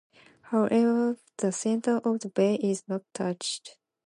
However, the center of the bay is not touched.